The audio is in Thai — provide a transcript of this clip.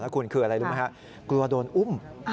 คุณคืออะไรรู้ไหมครับกลัวโดนอุ้ม